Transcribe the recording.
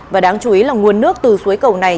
và đáng chú ý là nguồn nước từ suối cầu này